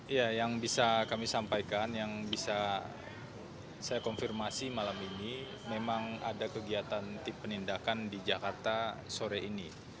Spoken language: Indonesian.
ya yang bisa kami sampaikan yang bisa saya konfirmasi malam ini memang ada kegiatan penindakan di jakarta sore ini